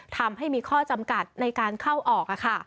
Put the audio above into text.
ทำให้มีข้อจำกัดในการเข้าออก